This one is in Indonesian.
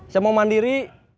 saya mau mandiri